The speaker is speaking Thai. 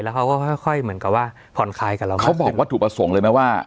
เขาก็ค่อยค่อยเหมือนกับว่าผ่อนคลายกับเราเขาบอกว่าถูกประสงค์เลยไหมว่า